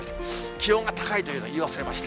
気温が高いというのを言い忘れました。